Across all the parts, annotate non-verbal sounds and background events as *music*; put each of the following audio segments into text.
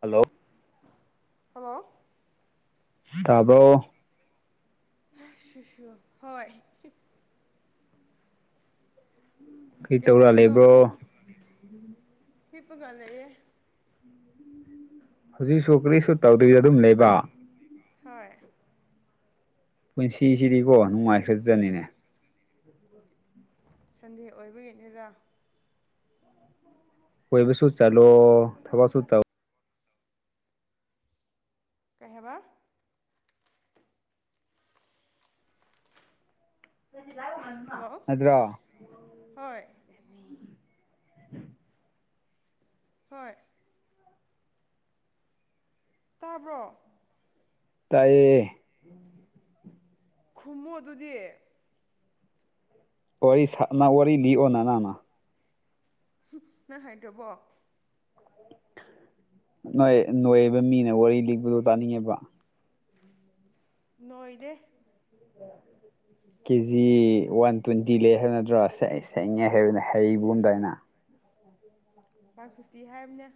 hello hello ꯇꯥꯕꯣ ꯑ ꯁ ꯍꯣꯏ ꯀꯔꯤ ꯇꯧꯔ ꯀꯖꯒꯅꯣ ꯂꯩꯕ꯭ꯔꯣ ꯍꯄꯒꯥꯟ ꯂꯩꯦ ꯍꯧꯖꯤꯛꯁꯨ ꯀꯔꯤꯁꯨ ꯇꯧꯗꯣꯏꯗ ꯑꯗꯨꯝ ꯂꯩꯕ ꯍꯣꯏ ꯄꯨꯟꯁꯤꯁꯤꯗꯤꯀꯣ ꯅꯨꯡꯉꯥꯏꯈ꯭ꯔꯗ꯭ꯔꯅꯤꯅꯦ ꯎ ꯎꯝ ꯁꯟꯗꯦ ꯑꯣꯏꯕꯒꯤꯅꯤꯗ ꯣꯏꯕ ꯁꯨ ꯆꯜꯂꯣ ꯊꯕꯁꯨ ꯆ ꯀꯍꯦꯕ *unintelligible* ꯌꯥ ꯍꯜꯂꯣ ꯍꯣꯏꯅꯤ ꯍꯣꯏ ꯇꯥꯕ꯭ꯔꯣ ꯇꯏꯌꯦꯦ ꯈꯃꯨ ꯑꯗꯨꯗꯤ ꯋꯥꯔꯤ ꯁꯅ ꯋꯥꯔꯤ ꯂꯤꯑꯣ ꯅꯅꯥꯅ ꯅꯪ ꯍꯥꯏꯗꯕꯣ ꯅꯣꯏ ꯅꯣꯏꯕ ꯃꯤꯅ ꯋꯥꯔꯤ ꯂꯤꯛꯄꯗꯣ ꯇꯥꯅꯤꯡꯉꯦꯕ ꯅꯣꯏꯗ ꯀꯦꯖꯤ ꯋꯥꯟ ꯇ꯭ꯋꯦꯟꯇꯤ ꯂꯩ ꯍꯥꯏꯕ ꯅꯠꯇ꯭ꯔꯣ ꯁꯛꯉ ꯍꯥꯏꯕꯅ ꯍꯩꯔꯤꯕ ꯑꯨꯝꯝꯗꯥꯏꯅ ꯋꯥꯟ ꯐꯤꯐꯇꯤ ꯍꯥꯏꯕꯅꯦ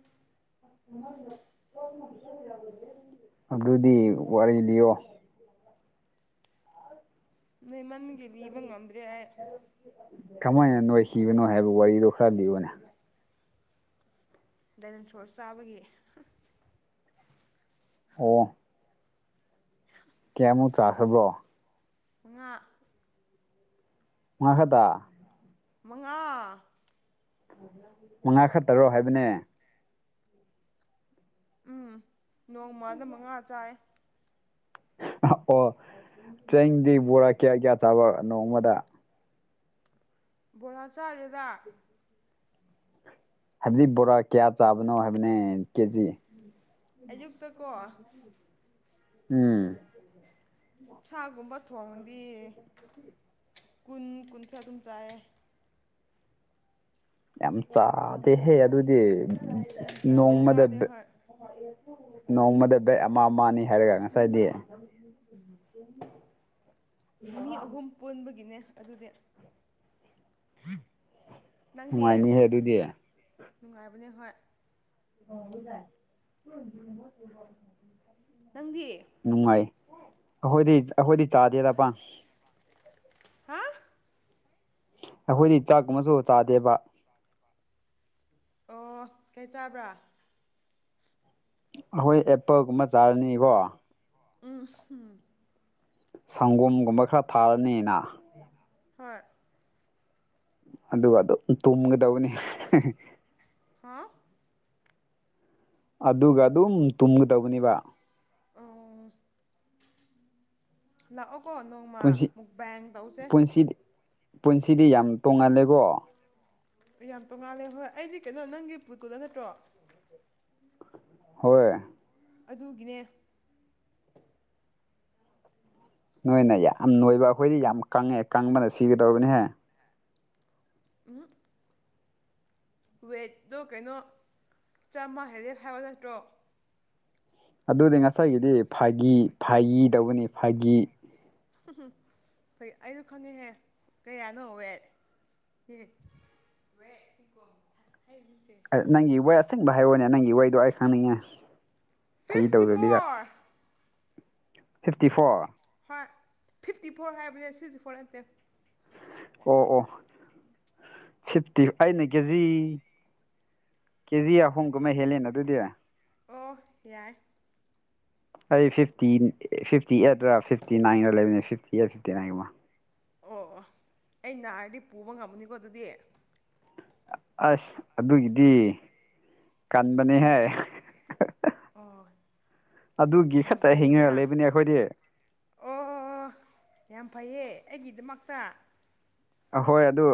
ꯑꯗꯨꯗꯤ ꯋꯥꯔꯤ ꯂꯤꯌꯣꯡ ꯅꯣꯏ ꯃꯒꯤ ꯂꯤꯅꯤꯕ ꯉꯝꯗ꯭ꯔꯦ ꯑꯩ ꯀꯃꯥꯏꯅ ꯅꯣꯏ ꯍꯈꯤꯕꯅꯣ ꯍꯥꯏꯕ ꯋꯥꯔꯤꯗꯣ ꯈꯔ ꯂꯤꯕꯅꯦ ꯗꯥꯏꯅꯦꯟ ꯐ꯭ꯂꯣꯔ ꯆꯥꯕꯒꯤ ꯑꯣ ꯀꯌꯥꯃꯨꯛ ꯆꯥꯈꯕ꯭ꯔꯣ ꯉꯥ ꯉꯉꯈꯗ ꯃꯉꯥ ꯃꯉꯥ ꯈ ꯇꯔꯣ ꯍꯥꯏꯕꯅꯦ ꯎꯝ ꯅꯣꯡꯃꯗ ꯃꯉꯥ ꯆꯥꯏ ꯑꯣ ꯆꯦꯡꯗꯤ ꯕꯣꯔꯥ ꯀꯌꯥ ꯀꯌꯥ ꯆꯥꯕ ꯅꯣꯡꯃꯗ ꯕꯣꯔꯥ ꯆꯥꯔꯤꯗ ꯍꯥꯏꯕꯗꯤ ꯕꯣꯔꯥ ꯀꯌꯥ ꯆꯥꯕꯅꯣ ꯍꯥꯏꯕꯅꯦ ꯀꯦꯖꯤ ꯑꯌꯨꯛꯇ ꯀꯣ ꯎꯝ ꯁꯥꯒꯨꯝꯕ ꯊꯣꯡꯗꯤ ꯀꯨꯟ ꯀꯨꯟꯁ ꯑꯗꯨꯝ ꯆꯥꯏꯑ ꯌꯥꯝ ꯆꯥꯗꯦꯍꯦ ꯑꯗꯨꯗꯤ ꯌꯨꯝ ꯆꯥꯗꯦ ꯅꯣꯡꯃꯗ ꯆꯥꯗꯦ ꯍꯣꯏ ꯅꯣꯡꯃꯗ ꯕꯦꯛ ꯑꯃ ꯑꯃꯅꯤ ꯍꯥꯏꯔꯒ ꯉꯁꯥꯏꯗꯤ ꯃꯤ ꯑꯍꯨꯝ ꯄꯨꯟꯕꯒꯤꯅꯦ ꯑꯗꯨꯗꯤ ꯅꯪꯗꯤ ꯅꯨꯡꯉꯥꯏꯅꯤꯍꯦ ꯑꯗꯨꯗꯤ ꯅꯨꯡꯉꯥꯏꯕꯅꯦ ꯍꯣꯏ ꯍꯗ ꯅꯪꯗꯤ ꯅꯨꯡꯉꯥꯏ ꯑꯩꯈꯣꯏꯗꯤ ꯑꯩꯈꯣꯏꯗꯤ ꯆꯥꯗꯦꯗ ꯄ ꯍꯥ ꯑꯩꯈꯣꯏꯗꯤ ꯆꯥꯛꯀꯨꯝꯕꯁꯨ ꯇꯥꯗꯦꯕ ꯑꯣ ꯀꯩ ꯆꯥꯕ꯭ꯔꯥ ꯑꯩꯈꯣꯏ ꯑꯦꯄꯜꯒꯨꯝꯕ ꯆꯥꯔꯅꯤꯀꯣ ꯎꯝ ꯎꯝ ꯁꯪꯒꯣꯝꯒꯨꯝꯕ ꯈꯔ ꯊꯥꯔꯅꯤꯅ ꯍꯣꯏ ꯑꯗꯨꯒ ꯑꯗꯨ ꯇꯨꯝꯒꯗꯕꯅꯤ ꯍꯥꯥ ꯑꯗꯨꯒ ꯑꯗꯨꯝ ꯇꯨꯝꯒꯗꯧꯕꯅꯦꯕ ꯎ ꯂꯥꯛꯑꯣ ꯀꯣ ꯅꯪ ꯄꯨꯟꯁꯤ ꯄꯨꯟꯁꯤꯗꯤ ꯄꯨꯟꯁꯤꯗꯤ ꯌꯥꯝ ꯇꯣꯡꯉꯜꯂꯦꯀꯣ ꯌꯥꯝ ꯇꯣꯡꯉꯥꯜꯂꯦ ꯍꯣꯏ ꯑꯩꯗꯤ ꯀꯩꯅꯣ ꯅꯪꯒꯤ ꯄꯨꯠꯇꯨꯗ ꯅꯠꯇ꯭ꯔꯣ ꯍꯣꯏ ꯑꯗꯨꯒꯤꯅꯦ ꯅꯣꯏ ꯅ ꯌꯥꯝ ꯅꯣꯏꯕ ꯑꯩꯈꯣꯏꯗꯤ ꯌꯥꯝ ꯀꯪꯉꯛꯦ ꯀꯪꯕꯅ ꯁꯤꯒꯗꯧꯔꯤꯕꯅꯤꯍꯦ ꯎ ꯋꯦꯠꯇꯣ ꯀꯩꯅꯣ ꯆꯥꯝꯃ ꯍꯥꯏꯔꯦꯞ ꯍꯥꯏꯕ ꯅꯠꯇ꯭ꯔꯣ ꯑꯗꯨꯗꯤ ꯉꯁꯥꯏꯒꯤꯗꯤ ꯐꯥꯒꯤ ꯐꯥꯒꯤ ꯇꯧꯕꯅꯤ ꯐꯥꯒꯤ ꯎ ꯐꯩ ꯑꯩꯁꯨꯣ ꯈꯪꯉꯦꯍꯦ ꯀꯌꯥꯅꯣ ꯍꯧꯋꯦ ꯀꯁꯦ ꯅꯪꯒꯤ ꯋꯥ ꯑꯁꯦꯡꯕ ꯍꯥꯏꯔꯣꯅꯦ ꯅꯪꯒꯤ ꯋꯥꯗꯣ ꯑꯩ ꯈꯪꯅꯤꯡꯉꯦ ꯐꯩ ꯐꯤꯐꯇꯤ ꯇꯧꯗꯕꯤꯗ ꯐꯣꯔ ꯐꯤꯞꯇꯤ ꯐꯣꯔ ꯍꯣꯏ ꯐꯤꯐꯇꯤ ꯐꯣꯔ ꯍꯥꯏꯕꯅꯦ ꯁꯤꯛꯁꯇꯤ ꯐꯣꯔ ꯅꯠꯇꯦ ꯑꯣ ꯑꯣ ꯁꯤꯐꯇꯤ ꯑꯩꯅ ꯀꯦꯖꯤ ꯀꯦꯖꯤ ꯑꯍꯨꯝꯒ ꯑꯃ ꯍꯦꯜꯂꯦꯅ ꯑꯗꯨꯗꯤ ꯑꯣ ꯌꯥꯏ ꯑꯩ ꯐꯤꯐꯇꯤ ꯐꯤꯐꯇꯤ ꯑꯦꯠꯠꯇ ꯐꯤꯐꯇꯤ ꯅꯥꯏꯟꯗ ꯂꯩꯕꯅꯦ ꯐꯤꯐꯇꯤ ꯑꯦꯠ ꯐꯤꯐꯇꯤ ꯅꯥꯏꯟꯒꯨꯝꯕ ꯑꯣ ꯑꯣ ꯑꯩ ꯅꯥꯔꯗꯤ ꯄꯨꯕ ꯉꯝꯃꯨꯅꯤꯀꯣ ꯑꯗꯨꯗꯤ ꯑꯁ ꯑꯗꯨꯒꯤꯗꯤ ꯀꯟꯕꯅꯦꯍ ꯑꯣ ꯑꯗꯨꯒꯤ ꯌꯥꯝ ꯈꯛꯇ ꯐꯩꯗꯅ ꯍꯤꯡꯉꯔꯒ ꯂꯩꯕꯅꯦ ꯑꯩꯈꯣꯏꯗꯤ ꯑꯣ ꯌꯥꯝ ꯐꯩꯌꯦ ꯑꯩꯒꯤꯗꯃꯛꯇ ꯑꯍꯣꯏ ꯑꯗꯨ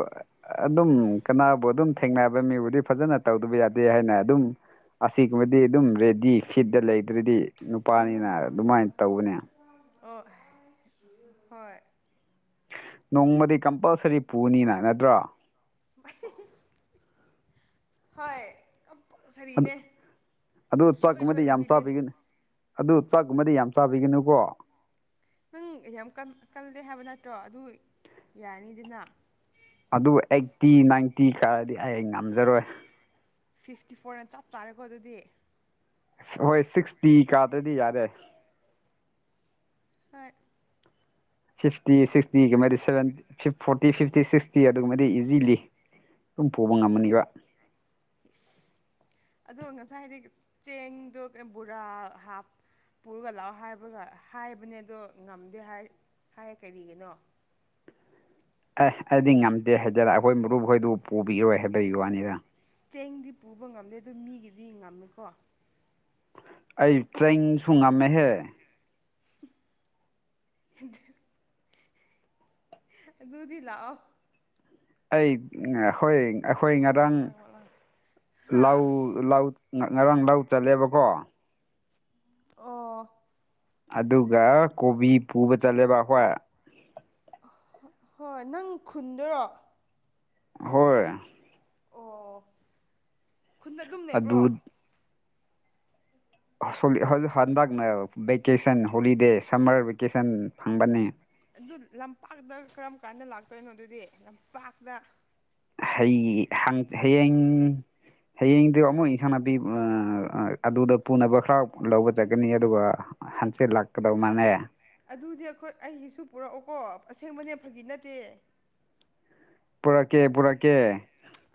ꯑꯗꯨꯝ ꯀꯅꯥꯕꯨ ꯑꯗꯨꯝ ꯊꯦꯡꯅꯕ ꯃꯤꯕꯨꯗꯤ ꯐꯖꯅ ꯇꯧꯗꯕ ꯌꯥꯗꯦ ꯍꯥꯏꯅ ꯑꯗꯨꯝ ꯑꯁꯤꯒꯨꯝꯕꯗꯤ ꯑꯗꯨꯝ ꯔꯦꯗꯤ ꯐꯤꯠꯇ ꯂꯩꯗ꯭ꯔꯗꯤ ꯑꯣ ꯅꯨꯄꯥꯅꯤꯅ ꯑꯗꯨꯃꯥꯏꯅ ꯇꯧꯕꯅꯦ ꯑꯣ ꯍꯣꯏ ꯅꯣꯡꯃꯗꯤ ꯀꯝꯄꯜꯁꯔꯤ ꯄꯨꯅꯤꯅ ꯅꯗ꯭ꯔꯣ ꯚꯏ ꯍꯣꯏ ꯑꯗꯨ ꯀꯝꯄꯜꯁꯔꯤꯅꯦ ꯑꯗꯨ ꯁꯨꯡꯁꯣꯏ ꯆꯥꯛꯀꯨꯝꯕꯗꯤ ꯌꯥꯝ ꯁꯣꯏꯗꯕꯤ ꯗꯦꯠ ꯆꯥꯕꯤꯒꯅꯨ ꯑꯗꯨ ꯆꯥꯛꯒꯨꯝꯕꯗꯤ ꯌꯥꯝ ꯆꯥꯕꯤꯒꯅꯨꯀꯣ ꯅꯪ ꯌꯥꯝ ꯀꯟ ꯀꯜꯂꯦ ꯍꯥꯏꯕ ꯅꯠꯇ꯭ꯔꯣ ꯑꯗꯨ ꯌꯥꯔꯅꯤꯗꯅ ꯑꯗꯨ ꯑꯩꯠꯇꯤ ꯅꯥꯏꯟꯇꯤ ꯀꯥꯔꯗꯤ ꯑꯩ ꯉꯝꯖꯔꯣꯏ ꯐꯤꯐꯇꯤ ꯐꯣꯔꯅ ꯆꯞ ꯆꯥꯔꯦꯀꯣ ꯑꯗꯨꯗꯤ ꯍꯣꯏ ꯁꯤꯛꯁꯇꯤ ꯀꯥꯗ꯭ꯔꯗꯤ ꯌꯥꯔꯦ ꯍꯣꯏ ꯐꯤꯐꯇꯤ ꯁꯤꯛꯁꯇꯤꯒꯤꯃꯗꯤ seven fifth forty fifty sixty ꯑꯗꯨꯒꯨꯝꯕꯗꯤ ꯏꯖꯤꯂꯤ ꯗꯨꯝ ꯄꯨꯕ ꯉꯝꯃꯅꯤꯕ ꯏꯁ ꯑꯗꯣ ꯉꯁꯥꯏ ꯍꯥꯏꯗꯤ ꯆꯦꯡꯗꯣ ꯕꯣꯔꯥ ꯍꯥꯞ ꯄꯨꯔꯒ ꯂꯥꯛꯑꯣ ꯍꯥꯏꯕꯒ ꯍꯥꯏꯕꯅꯦ ꯑꯗꯣ ꯉꯝꯗꯦ ꯍꯥꯏ ꯍꯥꯏ ꯀꯔꯤꯒꯤꯅꯣ ꯑꯦ ꯑꯩꯗꯤ ꯉꯝꯗꯦ ꯍꯥꯏꯖꯔ ꯑꯩꯈꯣꯏ ꯃꯔꯨꯞꯈꯣꯏꯗꯨ ꯄꯨꯕꯤꯔꯣꯏ ꯍꯥꯏꯕꯒꯤ ꯋꯥꯅꯤꯗ ꯆꯦꯡꯗꯤ ꯄꯨꯕ ꯉꯝꯗꯦ ꯑꯗꯨꯗꯣ ꯃꯤꯒꯤꯗꯤ ꯉꯝꯃꯦꯀꯣ ꯑꯩ ꯇ꯭ꯔꯦꯡꯁꯨ ꯉꯝꯃꯦꯍꯦ ꯍꯤꯟꯗꯤ ꯑꯗꯨꯗꯤ ꯂꯥꯛꯑꯣ ꯑꯩ ꯍꯣꯏ ꯑꯩꯈꯣꯏ ꯉꯔꯥꯡ ꯍꯥꯥ ꯂꯥꯎ ꯂꯧ ꯉꯔꯥꯡ ꯂꯧ ꯆꯜꯂꯦꯕꯀꯣ ꯑꯣ ꯑꯗꯨꯒ ꯀꯣꯕꯤ ꯄꯨꯕ ꯆꯠꯂꯦꯕ ꯑꯩꯈꯣꯏ ꯍꯣꯏ ꯅꯪ ꯈꯨꯟꯗꯔꯣ ꯍꯣꯏ ꯑꯣ ꯈꯨꯟꯗ ꯑꯗꯨꯝ ꯂꯩꯕ꯭ꯔꯣ ꯑꯗꯨ ꯑꯁ ꯍꯣꯂꯤ ꯍꯜ ꯍꯟꯗꯛꯅ ꯚꯦꯀꯦꯁꯟ ꯍꯣꯂꯤꯗꯦ ꯁꯝꯃꯔ ꯚꯦꯀꯦꯁꯟ ꯐꯪꯕꯅꯦ ꯑꯗꯨ ꯂꯝꯄꯥꯛꯇ ꯀꯔꯝ ꯀꯥꯟꯗ ꯂꯥꯛꯇꯣꯏꯅꯣ ꯑꯗꯨꯗꯤ ꯂꯝꯄꯥꯛꯇ ꯍꯩ ꯍꯪ ꯍꯌꯦꯡ ꯍꯌꯦꯡꯗꯨ ꯑꯃꯨꯛ ꯏꯟꯁꯥꯡ ꯅꯥꯄꯤ ꯑ ꯑꯗꯨꯗ ꯄꯨꯅꯕ ꯈꯔ ꯂꯧꯕ ꯆꯠꯀꯅꯤ ꯑꯗꯨꯒ ꯍꯪꯆꯤꯠ ꯂꯥꯛꯀꯗꯧ ꯃꯥꯅꯦ ꯑꯗꯨꯗꯤ ꯑꯩꯈꯣꯏ ꯑꯩꯒꯤꯁꯨ ꯄꯨꯔꯛꯑꯣꯀꯣ ꯑꯁꯦꯡꯕꯅꯦ ꯐꯒꯤ ꯅꯠꯇꯦ ꯄꯨꯔꯛꯀꯦ ꯄꯨꯔꯛꯀꯦ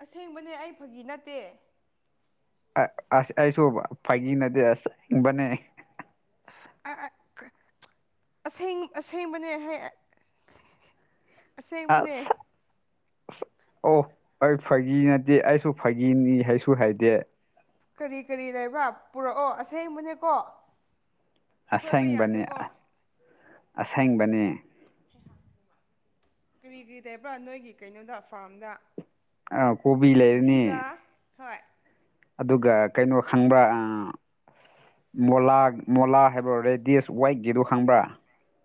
ꯑꯁꯦꯡꯕꯅꯦ ꯑꯩ ꯐꯥꯒꯤ ꯅꯠꯇꯦ ꯑ ꯑꯁ ꯑꯩꯁꯨꯕ ꯐꯥꯒꯤ ꯅꯠꯗꯦ ꯑꯁꯦꯡꯕꯅꯦ ꯑ ꯑ ꯑꯁꯦꯡ ꯑꯁꯦꯡꯕꯅꯦ ꯍꯥꯏ ꯑꯁ ꯑꯁꯦꯡꯕꯅꯦ ꯑꯣ ꯑꯩ ꯐꯥꯒꯤ ꯅꯠꯇꯦ ꯑꯩꯁꯨ ꯐꯥꯒꯤꯅꯤ ꯍꯥꯏꯁꯨ ꯍꯥꯏꯗꯦ ꯀꯔꯤ ꯀꯔꯤ ꯂꯩꯕ꯭ꯔꯥ ꯄꯨꯔꯛꯑꯣ ꯑꯁꯦꯡꯕꯅꯦꯀꯣ ꯁꯣꯏꯕ ꯌꯥꯗꯦꯀꯣ ꯑꯁꯦꯡꯕꯅꯦ ꯀꯔꯤ ꯀꯔꯤ ꯇꯩꯕ꯭ꯔꯥ ꯅꯣꯏꯒꯤ ꯀꯩꯅꯣꯗ ꯐꯥꯔꯝꯗ ꯀꯣꯕꯤ ꯂꯩꯔꯅꯤ ꯀꯣꯕꯤꯒ ꯐꯣꯏ ꯑꯗꯨꯒ ꯀꯩꯅꯣ ꯈꯪꯕ꯭ꯔ ꯑꯥ ꯃꯣꯂꯥ ꯃꯣꯂꯥ ꯍꯥꯏꯕ ꯔꯦꯗꯤꯁ ꯋꯥꯏꯠꯀꯤꯗꯨ ꯈꯪꯕ꯭ꯔꯥ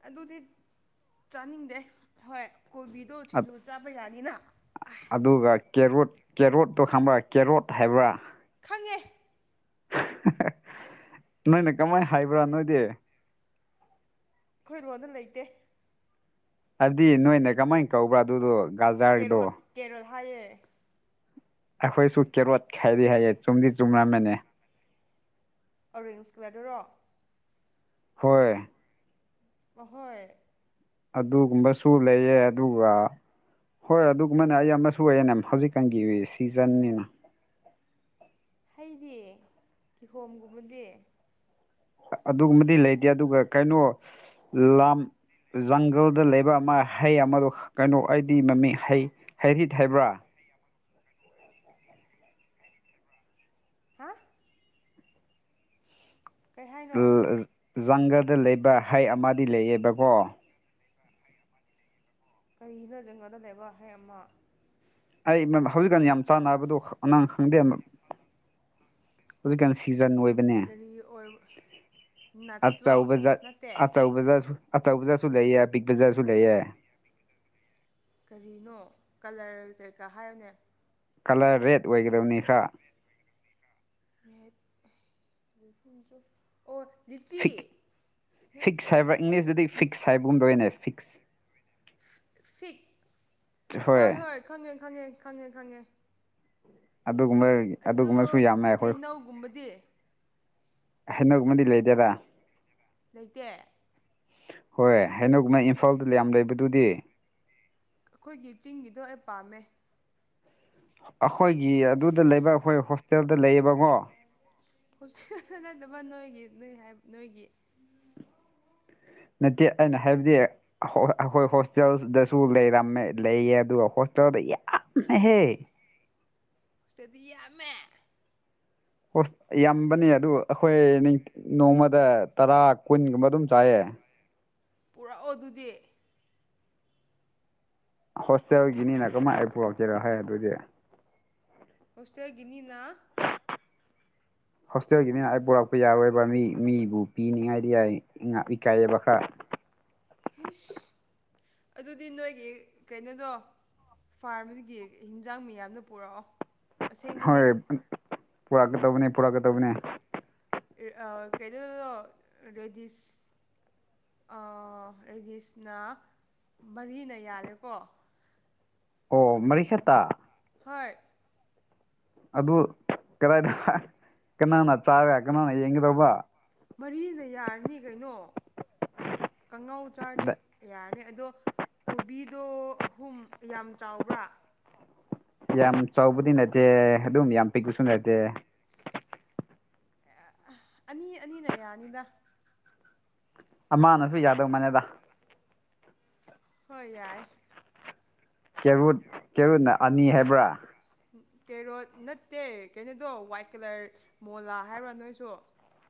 ꯑꯗꯨꯗꯤ ꯆꯥꯅꯤꯡꯗꯦ ꯍꯣꯏ ꯀꯣꯕꯤꯗꯣ ꯁꯤꯡꯖꯨ ꯆꯥꯕ ꯌꯥꯅꯤꯅ ꯑꯥꯏ, ꯑꯗꯨꯒ ꯀꯦꯔꯣꯠ ꯀꯦꯔꯣꯠꯇꯣ ꯈꯪꯕ꯭ꯔ ꯀꯦꯔꯣꯠ ꯍꯥꯏꯕ꯭ꯔ ꯈꯪꯉꯦ ꯑꯩꯈꯣꯏ ꯅꯣꯏꯅ ꯀꯃꯥꯏ ꯍꯥꯏꯕ꯭ꯔ ꯅꯣꯏꯗꯤ ꯑꯩꯈꯣꯏ ꯂꯣꯟꯗ ꯂꯩꯇꯦ ꯍꯥꯏꯕꯗꯤ ꯅꯣꯏꯅ ꯀꯃꯥꯏ ꯀꯧꯕ꯭ꯔꯥ ꯑꯗꯨꯗꯣ ꯒꯥꯖꯥꯔꯗꯣ ꯀꯦꯔꯣꯠ ꯀꯦꯔꯣꯠ ꯍꯥꯏꯌꯦ ꯑꯩꯈꯣꯏꯁꯨ ꯀꯦꯔꯣꯠ ꯈꯥꯏꯔꯤ ꯍꯥꯏꯌꯦ ꯆꯨꯝꯗꯤ ꯆꯨꯝꯂꯝꯝꯃꯅꯤ ꯑꯣꯔꯦꯟꯖ ꯀꯂꯔꯗꯔꯣ ꯍꯣꯏ ꯑꯍꯣꯏ ꯑꯗꯨꯒꯨꯝꯕꯁꯨ ꯂꯩꯌꯦ ꯑꯗꯨꯒ ꯍꯣꯏ ꯑꯗꯨꯒꯨꯝꯕꯅꯦ ꯑꯩ ꯑꯃꯁꯨ ꯑꯣꯏꯌꯦꯅꯦ ꯍꯧꯖꯤꯛꯀꯥꯟꯒꯤ ꯁꯤ ꯆꯟꯅꯤꯅ ꯍꯩꯗꯤ ꯀꯤꯍꯣꯝꯒꯨꯝꯕꯗꯤ ꯑꯗꯨꯒꯨꯝꯕꯗꯤ ꯂꯩꯇꯦ ꯑꯗꯨꯒ ꯀꯩꯅꯣ ꯂꯝ ꯖꯪꯒꯜꯗ ꯂꯩꯕ ꯑꯃ ꯍꯩ ꯑꯃꯗꯣ ꯀꯩꯅꯣ ꯑꯩꯗꯤ ꯃꯃꯤꯡ ꯍꯩ ꯍꯩꯔꯤꯠ ꯍꯥꯏꯕ꯭ꯔꯥ ꯍꯥꯥ ꯀꯩ ꯍꯥꯏꯅꯣ ꯖꯪꯒꯔꯗ ꯂꯩꯕ ꯍꯩ ꯑꯃꯗꯤ ꯂꯩꯌꯦꯕꯀꯣ ꯀꯔꯤꯅꯣ ꯖꯪꯒꯟꯗ ꯂꯩꯕ ꯍꯩ ꯑꯃ ꯑꯩ ꯍꯧꯖꯤꯛꯀꯥꯟ ꯌꯥꯝ ꯆꯥꯟꯅꯕꯗꯨ ꯅꯪ ꯈꯪꯗꯦ ꯍꯨꯖꯤꯛꯀꯥꯟ ꯁꯤꯖꯟ ꯑꯣꯏ ꯄꯅꯦ ꯀꯔꯤ ꯑꯣꯏ ꯅꯠꯁꯂꯣ ꯑꯆꯧꯕꯖꯥꯠ ꯅꯠꯇꯦ ꯑꯆꯧꯕꯖꯥꯠꯁꯨ ꯑꯆꯧꯕ ꯖꯥꯠꯁꯨ ꯂꯩꯌꯦ ꯑꯄꯤꯛꯄ ꯖꯥꯠꯁꯨ ꯂꯩꯌꯦ ꯀꯔꯤꯅꯣ ꯀꯂꯔ ꯀꯩꯀꯥ ꯍꯥꯏꯌꯣꯅꯦ ꯀꯂꯔ ꯔꯦꯠ ꯑꯣꯏꯒꯗꯕꯅꯤ ꯈꯔ *unintelligible* ꯑꯣ ꯂꯤꯆꯤ ꯐꯤꯛ ꯐꯤꯛꯁ ꯍꯥꯏꯕ꯭ꯔꯥ ꯏꯪꯂꯤꯁꯇꯗꯤ ꯐꯤꯛꯁ ꯍꯥꯏꯕꯒꯨꯝꯗꯣꯏꯅꯦ ꯐꯤꯛꯁ ꯐꯤꯛ ꯍꯣꯏ ꯍꯣꯏ ꯈꯪꯉꯦ ꯈꯪꯉꯦ ꯈꯪꯉꯦ ꯈꯪꯉꯦ ꯑꯗꯨꯒꯨꯝꯕꯩ ꯑꯗꯨ ꯍꯩꯅꯧꯒꯨꯝꯕꯗꯤ ꯍꯗꯣꯛꯃꯗꯤ ꯂꯩꯗꯦꯔꯥ ꯂꯩꯇꯦ ꯍꯣꯏ ꯍꯗꯣꯛ ꯅꯪ ꯏꯝꯐꯥꯜꯗ ꯌꯥꯝ ꯂꯩꯕꯗꯨꯗꯤ ꯑꯩꯈꯣꯏꯒꯤ ꯆꯤꯡꯒꯤꯗꯣ ꯑꯩ ꯄꯥꯝꯃꯦ ꯑꯩꯈꯣꯏꯒꯤ ꯑꯗꯨꯗ ꯂꯩꯕ ꯑꯩꯈꯣꯏ ꯍꯣꯁꯇꯦꯜꯗ ꯂꯩꯌꯦꯕꯀꯣ ꯄꯨꯁꯤ ꯅꯠꯇꯕ ꯅꯣꯏꯒꯤ ꯅꯣꯏ ꯅꯣꯏꯒꯤ ꯅꯠꯇꯦ ꯑꯩꯅ ꯍꯥꯏꯕꯗꯤ ꯑꯩꯈꯣꯏ ꯍꯣꯁꯇꯦꯜꯗꯁꯨ ꯂꯩꯔꯝꯃꯦ ꯂꯩꯌꯦ ꯑꯗꯨꯒ ꯍꯣꯁꯇꯦꯜꯗ ꯌꯥꯝꯅꯍꯦꯛ ꯏꯁꯇꯗꯤ ꯑꯃ ꯍ ꯌꯥꯝꯕꯅꯦ ꯑꯗꯨ ꯑꯩꯈꯣꯏ ꯅꯣꯡꯃꯗ ꯇꯔꯥ ꯀꯨꯟꯒꯨꯝꯕ ꯑꯗꯨꯝ ꯆꯥꯏꯌꯦ ꯄꯨꯔꯛꯑꯣ ꯑꯗꯨꯗꯤ ꯍꯣꯁꯇꯦꯜꯒꯤꯅꯤꯅ ꯀꯃꯥꯏꯅ ꯄꯨꯔꯛꯀꯦꯔꯣ ꯍꯥꯏ ꯑꯗꯨꯗꯤ ꯍꯣꯁꯇꯦꯜꯒꯤꯅꯤꯅ ꯍꯣꯁꯇꯦꯜꯒꯤ ꯃꯤꯅ ꯄꯨꯣꯔꯛꯄ ꯌꯥꯔꯣꯏꯕ ꯃꯤ ꯃꯤꯕꯨ ꯄꯤꯅꯤꯡꯉꯥꯏꯗꯤ ꯌꯥꯏ ꯏꯀꯥꯏꯑꯕ ꯈꯔ ꯍꯁ ꯑꯗꯨꯗꯤ ꯅꯣꯏꯒꯤ ꯀꯩꯅꯣꯗꯣ ꯐꯥꯔꯝꯗꯒꯤ ꯍꯤꯟꯖꯥꯡ ꯃꯤꯌꯥꯝꯅ ꯄꯨꯔꯛꯑꯣ ꯑꯁꯦꯡꯕꯅꯦ ꯍꯣꯏ ꯄꯨꯔꯛꯀꯗꯧꯕꯅꯤ ꯄꯨꯔꯛꯀꯗꯧꯕꯅꯦ ꯀꯩꯩꯅꯣ ꯔꯦꯗꯤꯁ ꯔꯦꯗꯤꯁꯅ ꯃꯔꯤꯅ ꯌꯥꯔꯦꯀꯣ ꯑꯣ ꯃꯔꯤꯈꯠꯇ ꯍꯣꯏ ꯑꯗꯨ ꯀꯗꯥꯏꯗ ꯀꯅꯥꯅ ꯆꯥꯔ ꯀꯅꯥꯅ ꯌꯦꯡꯒꯗꯧꯕ ꯃꯔꯤꯅ ꯌꯥꯔꯅꯤ ꯀꯩꯅꯣ ꯀꯥꯡꯉꯥꯎ ꯆꯥꯔꯗꯤ ꯌꯥꯔꯅꯤ ꯑꯗꯣ ꯀꯣꯕꯤꯗꯣ ꯑꯍꯨꯝ ꯌꯥꯝ ꯆꯥꯎꯕ꯭ꯔꯥ ꯌꯥꯝ ꯆꯥꯎꯕꯗꯤ ꯅꯠꯇꯦ ꯑꯗꯨꯝ ꯌꯥꯝ ꯄꯤꯛꯄꯁꯨ ꯅꯠꯇꯦ ꯑꯅꯤ ꯑꯅꯤꯅ ꯌꯥꯅꯤꯗ ꯑꯃꯅꯁꯨ ꯌꯥꯗꯧ ꯃꯅꯦꯗ ꯍꯣꯏ ꯌꯥꯏ ꯀꯦꯔꯨꯠ ꯀꯦꯔꯨꯠꯅ ꯑꯅꯤ ꯍꯥꯏꯕ꯭ꯔꯥ ꯀꯦꯔꯣꯠ ꯅꯠꯇꯦ ꯀꯩꯅꯣꯗꯣ ꯋꯥꯏꯠ ꯀꯂꯔ ꯃꯣꯂꯥ ꯍꯥꯏꯕ꯭ꯔꯥ ꯅꯣꯏꯁꯨ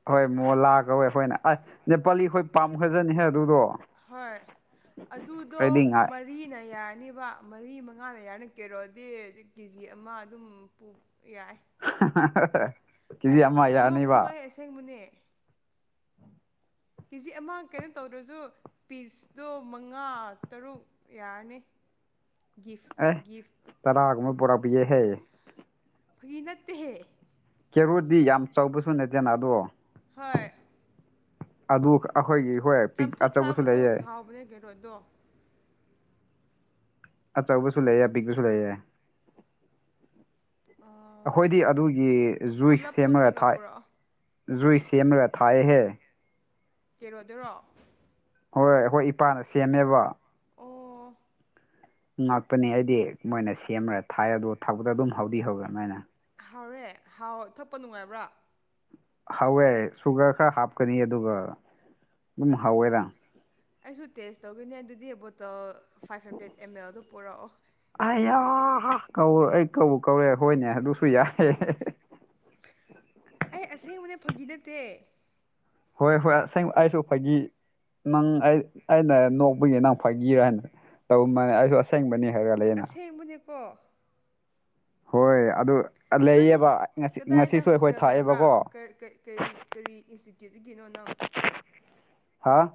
ꯍꯣꯏ ꯃꯣꯂꯥ ꯀꯧꯋꯦ ꯑꯩꯈꯣꯏꯅ ꯑꯁ ꯅꯦꯄꯥꯂꯤ ꯑꯩꯈꯣꯏ ꯄꯥꯝꯈ꯭ꯔꯖꯅꯤꯍꯦ ꯑꯗꯨꯗꯣ ꯍꯣꯏ ꯑꯗꯨꯗꯣ ꯑꯩꯗꯤ ꯉꯥꯏ ꯃꯔꯤꯅ ꯌꯥꯔꯅꯤꯕ ꯃꯔꯤ ꯃꯉꯥꯅ ꯌꯥꯔꯅꯤ ꯀꯦꯔꯣꯗꯤ ꯀꯦꯖꯤ ꯑꯃ ꯑꯗꯨꯝ ꯌꯥꯏ ꯀꯦꯖꯤ ꯑꯦ ꯑꯃ ꯌꯥꯅꯤꯕ ꯅꯣꯛꯀꯅꯨ ꯑꯩ ꯑꯁꯦꯡꯕꯅꯦ ꯀꯦ ꯖꯤ ꯑꯃ ꯀꯩꯅꯣ ꯇꯧꯗ꯭ꯔꯁꯨ ꯄꯤꯁꯇꯣ ꯃꯉꯥ ꯇꯔꯨꯛ ꯌꯥꯔꯅꯤ ꯒꯤꯐ ꯒꯤꯐ ꯇꯔꯥꯥ ꯒꯨꯝꯕ ꯄꯨꯔꯛꯕꯤꯒꯦꯍꯦ ꯐꯥꯒꯤ ꯅꯠꯇꯦꯍꯦ ꯀꯦꯔꯣꯗꯤ ꯌꯥꯝ ꯆꯥꯎꯕꯁꯨ ꯅꯠꯇꯦꯅ ꯑꯗꯣ ꯍꯣꯏ ꯑꯗꯨ ꯑꯩꯈꯣꯏꯒꯤ ꯍꯣꯏ ꯄꯤꯛ ꯆꯝꯐꯨꯠ ꯑꯆꯧꯕꯁꯨ ꯁꯥꯕꯁꯨ ꯂꯩꯌꯦ ꯈꯥꯎꯕꯅꯦ ꯀꯦꯔꯣꯠꯗꯣ ꯑꯆꯧꯕꯁꯨ ꯂꯩꯌꯦ ꯑꯄꯤꯛꯕꯁꯨ ꯂꯩꯌꯦ ꯑꯩꯈꯣꯏꯗꯤ ꯑꯗꯨꯒꯤ ꯖꯨꯏꯁ ꯄꯨꯜꯂꯞ ꯁꯦꯝꯃꯒ ꯄꯨꯜꯂꯒ ꯊꯥꯏ ꯄꯨꯔꯛꯑꯣ ꯖꯨꯏꯁ ꯁꯦꯝꯃꯒ ꯊꯥꯏꯍꯦ ꯀꯦꯔꯣꯠꯗꯨꯔꯣ ꯍꯣꯏ ꯈꯣꯏ ꯏꯄꯥꯅ ꯁꯦꯝꯃꯦꯕ ꯑꯣ ꯉꯥꯛꯄꯅꯤ ꯑꯩꯗꯤ ꯃꯣꯏꯅ ꯁꯦꯝꯃꯔ ꯊꯥꯏ ꯑꯗꯨ ꯊꯥꯛꯕꯇ ꯑꯗꯨꯝ ꯍꯥꯎꯗꯤ ꯍꯧꯋꯦ ꯑꯗꯨ ꯃꯥꯏꯅ ꯍꯥꯎꯔꯦ ꯍꯥꯎ ꯊꯛꯄ ꯅꯨꯡꯉꯥꯏꯕ꯭ꯔꯥ ꯍꯧꯋꯦ ꯁꯨꯒꯔ ꯈꯔ ꯍꯥꯞꯀꯅꯤ ꯑꯗꯨꯒ ꯑꯗꯨꯝ ꯍꯧꯋꯦꯗ ꯑꯩꯁꯨ ꯇꯦꯁ ꯇꯧꯗꯣꯏꯅꯦ ꯑꯗꯨꯗꯤ ꯕꯣꯇꯜ ꯐꯥꯏꯚ ꯍꯟꯗ꯭ꯔꯦꯗ ꯑꯦꯝ ꯑꯦꯜꯗ ꯄꯨꯔꯛꯑꯣ ꯑꯩꯌꯥ ꯀꯧ ꯑꯩ ꯀꯧꯕꯎ ꯀꯧꯔꯦ ꯍꯣꯏꯅꯦ ꯑꯗꯨꯁꯨ ꯌꯥꯏ ꯑꯩ ꯑꯁꯦꯡꯕꯅꯦ ꯐꯥꯒꯤ ꯅꯠꯇꯦ ꯍꯣꯏ ꯍꯣꯏ ꯑꯁꯦꯡ ꯑꯩꯁꯨ ꯐꯥꯒꯤ ꯅꯪ ꯑꯩ ꯑꯩꯅ ꯅꯣꯛꯄꯒꯤ ꯅꯪ ꯐꯥꯒꯤꯔ ꯍꯥꯏꯅ ꯇꯧꯃꯥꯜꯕꯅꯤ ꯑꯩꯁꯨ ꯑꯁꯦꯡꯕꯅꯤ ꯍꯥꯏꯔ ꯂꯩꯌꯦꯅ ꯑꯁꯦꯡꯕꯅꯦꯀꯣ ꯍꯣꯏ ꯑꯗꯨ ꯅꯪ ꯂꯩꯌꯦꯕ ꯉꯁꯤ ꯀꯗꯥꯏꯗ ꯉꯁꯤꯁꯨ ꯑꯩꯈꯣꯏ ꯍꯣꯁꯇꯦꯜ ꯂꯩꯕ꯭ꯔꯥ ꯊꯥꯛꯑꯦꯕꯀꯣ ꯀꯔꯤ ꯀꯔꯤ ꯏꯟꯁꯇꯤꯇ꯭ꯌꯨꯠꯒꯤꯅꯣ ꯅꯪ ꯍꯥꯥ